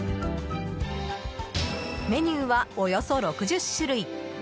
メニューは、およそ６０種類。